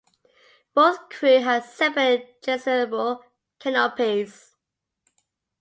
Both crew had separate jettisonable canopies.